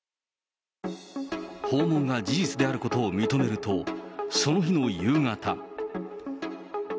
訪問が事実であることを認めると、その日の夕方。